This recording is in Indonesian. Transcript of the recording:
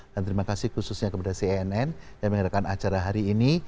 dan terima kasih khususnya kepada cnn yang mengadakan acara hari ini